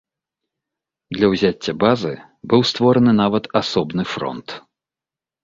Для ўзяцця базы быў створаны нават асобны фронт.